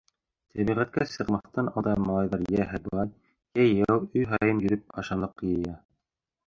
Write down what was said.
Тәбиғәткә сыҡмаҫтан алда малайҙар йә һыбай, йә йәйәү өй һайын йөрөп ашамлыҡ йыя.